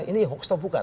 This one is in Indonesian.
ini hoax itu bukan